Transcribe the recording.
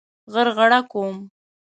غرغړه کوم.